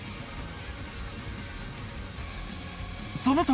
その時！